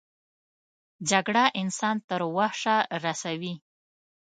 جګړه انسان تر وحشه رسوي